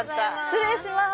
失礼します。